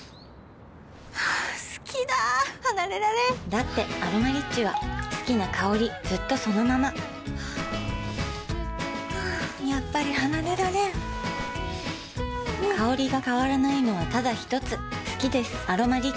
好きだ離れられんだって「アロマリッチ」は好きな香りずっとそのままやっぱり離れられん香りが変わらないのはただひとつ好きです「アロマリッチ」